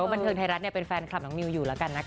แบบบรรเทิงไทยรัฐเนี่ยเป็นแฟนคลับของมิวอยู่ละกันนะครับ